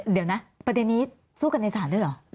เดี๋ยวนะประเด็นนี้สู้กันในศาลด้วยเหรอ